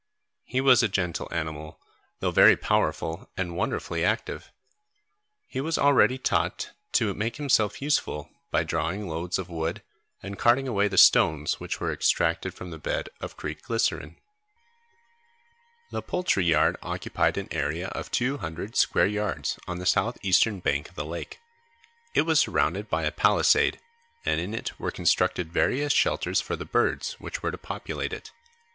He was a gentle animal, though very powerful and wonderfully active. He was already taught to make himself useful by drawing loads of wood and carting away the stones which were extracted from the bed of Creek Glycerine. The poultry yard occupied an area of two hundred square yards on the south eastern bank of the lake. It was surrounded by a palisade, and in it were constructed various shelters for the birds which were to populate it.